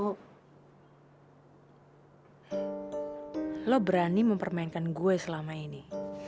kamu berani mempermainkan saya selama ini